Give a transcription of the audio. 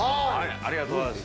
ありがとうございます。